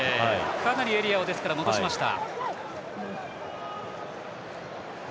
かなりエリアを戻しました。